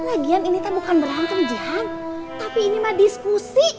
lagian ini bukan berantem jihan tapi ini mah diskusi